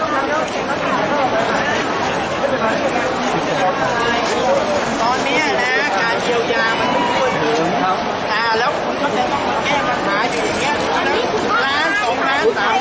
อาหรับเชี่ยวจามันไม่มีควรหยุด